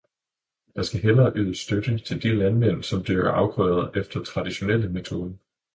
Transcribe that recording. Der skal hellere ydes støtte til de landmænd, som dyrker afgrøder efter traditionelle metoder.